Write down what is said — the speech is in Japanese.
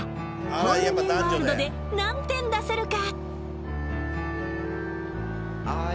「ホール・ニュー・ワールド」で何点出せるか。